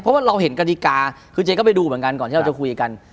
เพราะว่าเราเห็นกฎิกาคือเจ๊ก็ไปดูเหมือนกันก่อนที่เราจะคุยกัน